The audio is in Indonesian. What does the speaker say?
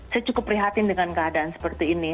saya cukup prihatin dengan keadaan seperti ini